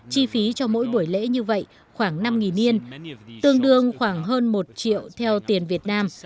chi phí cho mỗi buổi lễ như vậy khoảng năm yên tương đương khoảng hơn một triệu theo tiền việt nam